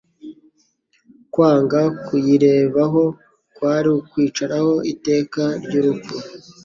Kwanga kuyirebaho kwari ukwiciraho iteka ry'urupfu.